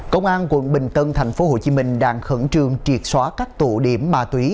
công an quận bình tân thành phố hồ chí minh đang khẩn trương triệt xóa các tụ điểm ma túy